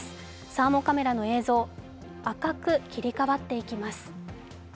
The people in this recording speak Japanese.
サーモカメラの映像、赤く切り替わっていきます。